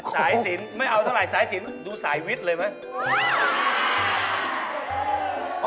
สายสินไม่เอาเท่าไหรสายสินดูสายวิทย์เลยไหม